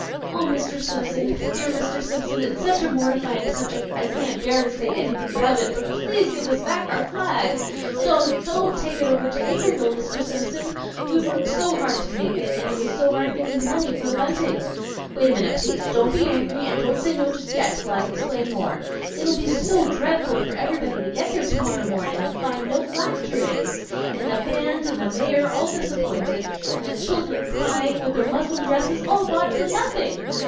"Oh, Mr. Simpson, dear Mr. Simpson, it's such a mortifying subject I can't bear to say anything about it, but please give us back our flag! Don't, DON'T take it over to Acreville, Mr. Simpson! We've worked so long to make it, and it was so hard getting the money for the bunting! Wait a minute, please; don't be angry, and don't say no just yet, till I explain more. It'll be so dreadful for everybody to get there tomorrow morning and find no flag to raise, and the band and the mayor all disappointed, and the children crying, with their muslin dresses all bought for nothing!